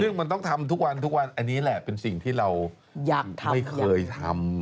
ซึ่งมันต้องทำทุกวันทุกวันอันนี้แหละเป็นสิ่งที่เราไม่เคยทำ